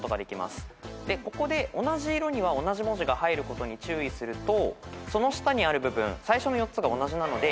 ここで同じ色には同じ文字が入ることに注意するとその下にある部分最初の４つが同じなので。